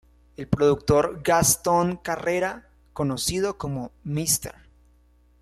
El productor Gastón Carrera, conocido como Mr.